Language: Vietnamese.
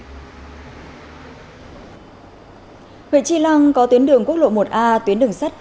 huyện tri lăng có tuyến đường quốc lộ một a tuyến đường sắt hà lạng và tuyến đường sắt lộc bình